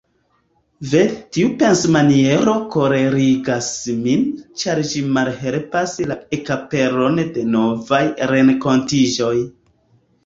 Ve, tiu pensmaniero kolerigas min, ĉar ĝi malhelpas la ekaperon de novaj renkontiĝoj.